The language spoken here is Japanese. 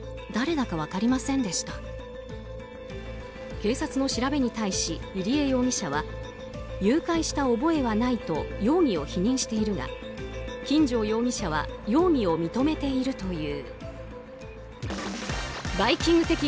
警察の調べに対し入江容疑者は誘拐した覚えはないと容疑を否認しているが金城容疑者は容疑を認めているという。